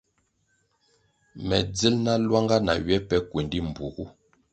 Me dzil na luanga na ywe pe kuendi mbpuogu.